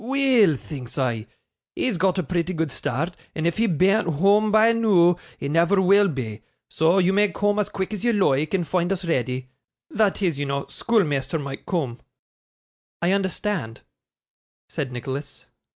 "Weel!" thinks I, "he's got a pretty good start, and if he bean't whoam by noo, he never will be; so you may coom as quick as you loike, and foind us reddy" that is, you know, schoolmeasther might coom.' 'I understand,' said Nicholas.